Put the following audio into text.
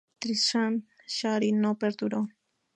Tristram Shandy no perduró".